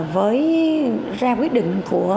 với ra quyết định của